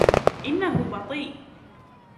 إنه بطيء.